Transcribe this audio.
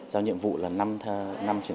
giao nhiệm vụ là năm hai nghìn hai mươi